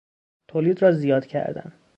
تولید را زیاد کردن